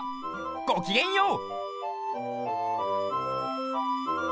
ごきげんよう！